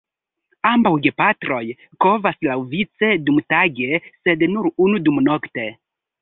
Ambaŭ gepatroj kovas laŭvice dumtage sed nur unu dumnokte.